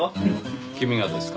君がですか？